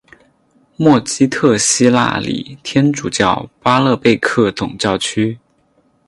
默基特希腊礼天主教巴勒贝克总教区。